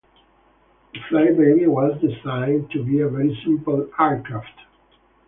The Fly Baby was designed to be a very simple aircraft.